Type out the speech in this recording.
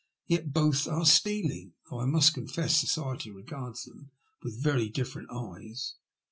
And yet both are stealing, though I must confess society regards them with very different eyes.